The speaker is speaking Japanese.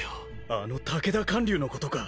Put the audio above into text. あの武田観柳のことか。